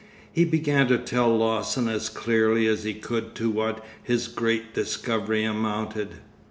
He began to tell Lawson as clearly as he could to what his great discovery amounted.